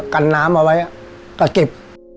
กันน้ำเอาไว้ก็เก็บ